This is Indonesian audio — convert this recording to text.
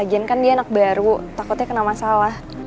ini buat berburu